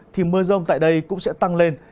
thì mưa rông tại đây cũng sẽ tăng lên